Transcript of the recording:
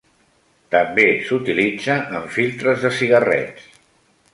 També s'utilitza en filtres de cigarrets.